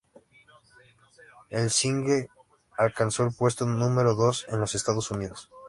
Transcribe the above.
El single alcanzó el puesto número dos en los Estados Unidos.